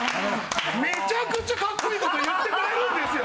めちゃくちゃカッコいいこと言ってくれるんですよ。